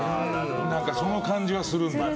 その感じはするんだよ。